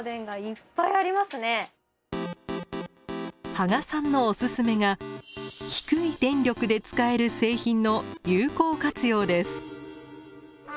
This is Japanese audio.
芳賀さんのオススメが低い電力で使える製品の有効活用です。